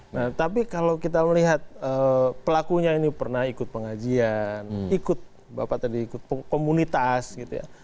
nah tapi kalau kita melihat pelakunya ini pernah ikut pengajian ikut bapak tadi ikut komunitas gitu ya